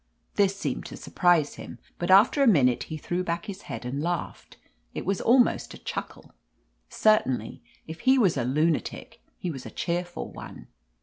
This seemed to surprise him, but after a minute he threw back his head and laughed: it was almost a chuckle. Certainly, if he was a lunatic, he was a cheerful one.